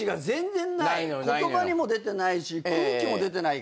言葉にも出てないし空気も出てないから。